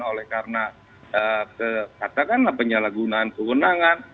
oleh karena katakanlah penyalahgunaan kewenangan